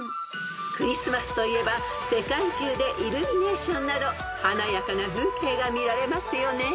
［クリスマスといえば世界中でイルミネーションなど華やかな風景が見られますよね］